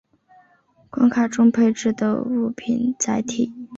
关卡中配置的物品载体。